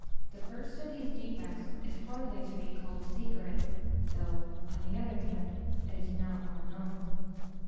The first of these defects is hardly to be called secret, though, on the other hand, it is not well known.